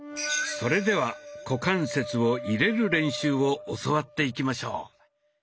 それでは「股関節を入れる」練習を教わっていきしょう。